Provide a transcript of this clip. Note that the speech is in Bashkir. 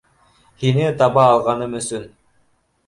Һине таба алғаным өсөн